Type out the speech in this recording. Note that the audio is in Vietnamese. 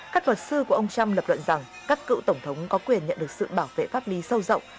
các luật sư của ông trump lập luận rằng các cựu tổng thống có quyền nhận được sự bảo vệ pháp lý sâu rộng